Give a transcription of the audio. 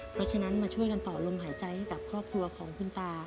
เพราะฉะนั้นมาช่วยกันต่อลมหายใจให้กับครอบครัวของคุณตา